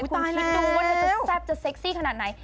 ต้องคิดดูว่าเธอจะแซ่บจะเซ็กซี่ขนาดไหน